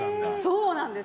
そうなんです。